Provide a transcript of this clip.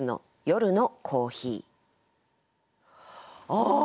ああ！